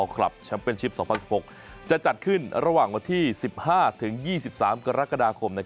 คลับแชมป์เป็นชิป๒๐๑๖จะจัดขึ้นระหว่างวันที่๑๕๒๓กรกฎาคม